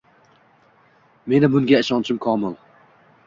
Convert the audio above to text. Meni bunga ishonchim komil.